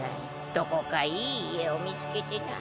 どこかいい家を見つけてな。